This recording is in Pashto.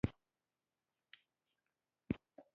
چې درنږدې شم ښکلوې مې نه ، توبې وباسې